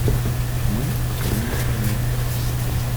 Мы — поколение Интернета.